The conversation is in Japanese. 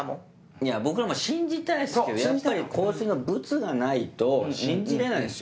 いや僕らも信じたいですけどやっぱり香水のブツがないと信じれないですよ。